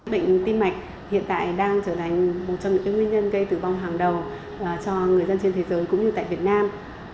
bệnh tim mạch hiện tại đang trở thành một trong những nguyên nhân gây tử vong hàng đầu cho người dân trên thế giới cũng như tại việt nam